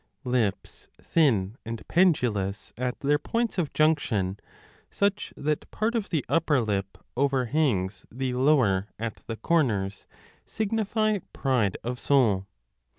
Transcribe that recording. Lips thin and pendulous at their points of junction, such that part 2 of the upper lip overhangs the lower at the 20 corners, signify pride of soul.